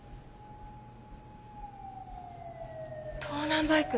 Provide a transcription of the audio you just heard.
・盗難バイク